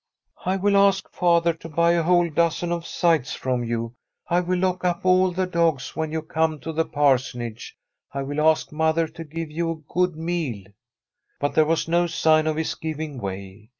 ' I will ask father to buy a whole dozen of scythes from you. I will lock up all the dogs when you come to the Parsonage. I will ask mother to give you a good meal.' But there was no sign of his giving way.